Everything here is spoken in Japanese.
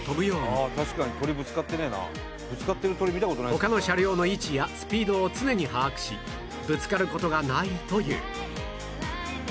他の車両の位置やスピードを常に把握しぶつかる事がないという